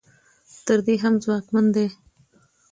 تر دې هم ځواکمن دي.